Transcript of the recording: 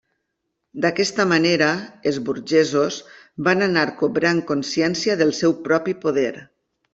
D'aquesta manera, els burgesos van anar cobrant consciència del seu propi poder.